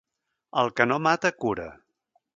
El que no mata, cura.